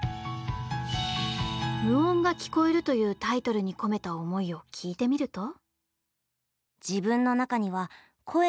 「無音が聴こえる」というタイトルに込めた思いを聞いてみると。